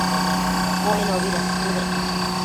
Cuenobi dacuëdec